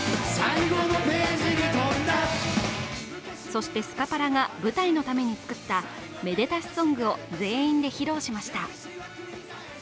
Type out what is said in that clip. そしてスカパラが舞台のために作った「めでたしソング」を全員で披露しました。